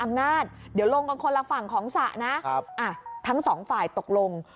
เดี๋ยวลงกันคนละฝั่งของสระนะทั้งสองฝ่ายตกลง